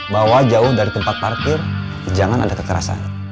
bahwa jauh dari tempat parkir jangan ada kekerasan